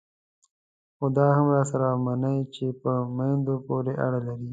خو دا هم راسره ومنئ چې په میندو پورې اړه لري.